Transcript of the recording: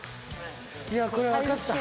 いやこれわかった。